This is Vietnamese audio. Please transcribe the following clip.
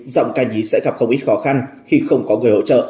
giọng ca nhí sẽ gặp không ít khó khăn khi không có người hỗ trợ